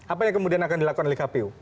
apa yang kemudian akan dilakukan oleh kpu